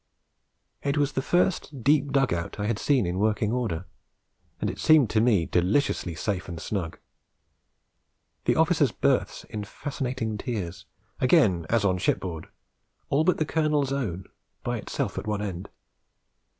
It was the first deep dug out I had seen in working order, and it seemed to me deliciously safe and snug; the officers' berths in fascinating tiers, again as on shipboard, all but the Colonel's own, by itself at one end.